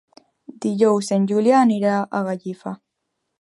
Dijous en Julià anirà a Gallifa.